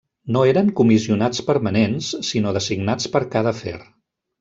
No eren comissionats permanents sinó designats per a cada afer.